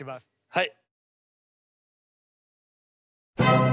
はい。